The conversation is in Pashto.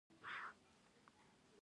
علم د جرایمو مخنیوی کوي.